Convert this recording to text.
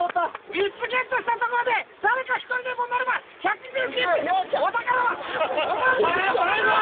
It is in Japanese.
３つゲットしたところで誰か１人でも乗れば１００秒キープしてお宝はお前たちのものだ！